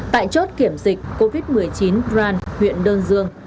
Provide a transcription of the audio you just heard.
tại chốt kiểm dịch covid một mươi chín bran huyện đơn dương